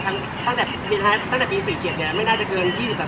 ตั้งแต่ปี๔เกี่ยวกับเรื่องยาเสียจิตเนี่ยไม่น่าจะเกิน๒๐๓๐คดีด้วยซ้ำ